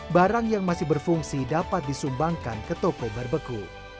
barang yang masih berfungsi dapat disumbangkan ke toko barbeku